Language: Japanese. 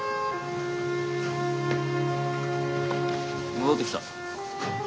戻ってきた。